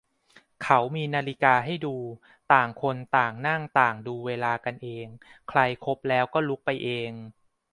เขามีนาฬิกาให้ดู ต่างคนต่างนั่งต่างดูเวลากันเอง ใครครบแล้วก็ลุกไปเอง